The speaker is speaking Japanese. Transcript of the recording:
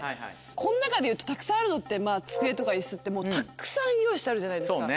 この中でいうとたくさんあるのって机とか椅子ってたくさん用意してあるじゃないですか。